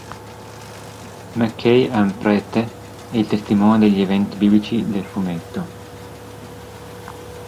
McCay è un prete e il testimone degli eventi biblici del fumetto.